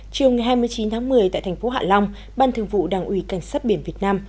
chiều ngày hai mươi chín tháng một mươi tại thành phố hạ long ban thường vụ đảng ủy cảnh sát biển việt nam